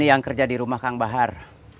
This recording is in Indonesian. yang kerja di rumah kang bahar